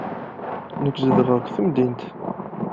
Nekk zedɣeɣ deg temdint.